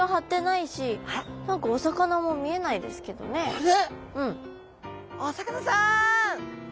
あれ？